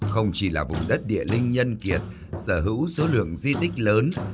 không chỉ là vùng đất địa linh nhân kiệt sở hữu số lượng di tích lớn